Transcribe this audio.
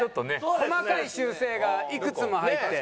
細かい修正がいくつも入って。